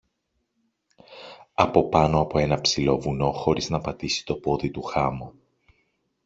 από πάνω από ένα ψηλό βουνό, χωρίς να πατήσει το πόδι του χάμω.